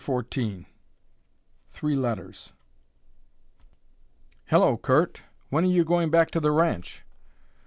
CHAPTER XIV THREE LETTERS "Hello, Curt! When are you going back to the ranch?"